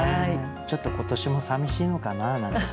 ちょっと今年もさみしいのかななんて